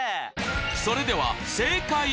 それでは正解発表！